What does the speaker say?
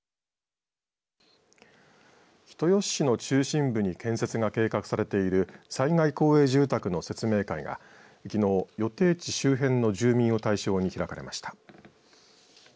人吉市の中心部に建設が計画されている災害公営住宅の説明会がきのう予定地周辺の住民を対象に開かれました。